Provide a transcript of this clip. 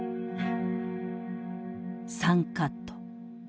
３カット。